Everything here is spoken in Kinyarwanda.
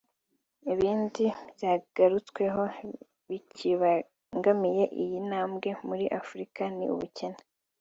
Ibindi byagarutsweho bikibangamiye iyi ntambwe muri Afurika ni ubukene